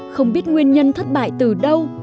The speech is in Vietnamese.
không biết nguyên nhân thất bại từ đâu